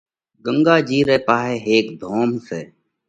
“ڳنڳا جِي رئہ پاهئہ هيڪ ڌوم سئہ